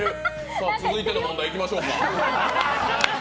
さあ次の問題いきましょうか。